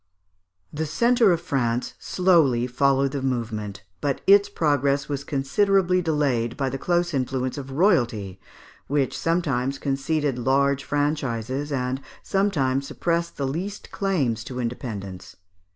The centre of France slowly followed the movement; but its progress was considerably delayed by the close influence of royalty, which sometimes conceded large franchises, and sometimes suppressed the least claims to independence.